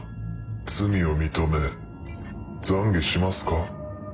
罪を認め懺悔しますか？